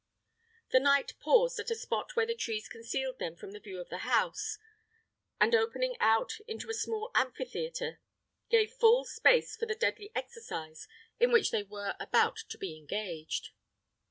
The knight paused at a spot where the trees concealed them from the view of the house, and opening out into a small amphitheatre, gave full space for the deadly exercise in which they were about to be engaged.